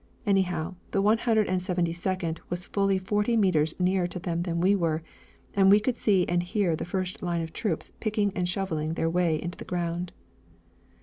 Anyhow, the One Hundred and Seventy Second was fully forty metres nearer to them than we were, and we could see and hear the first line troops picking and shoveling their way into the ground.